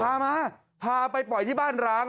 พามาพาไปปล่อยที่บ้านร้าง